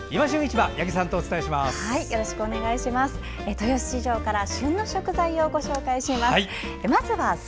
豊洲市場から旬の食材をご紹介します。